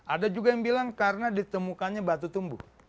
ada juga yang bilang karena ditemukannya batu tumbuh